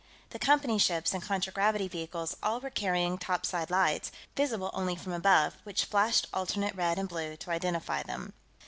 The Company ships and contragravity vehicles all were carrying topside lights, visible only from above, which flashed alternate red and blue to identify them.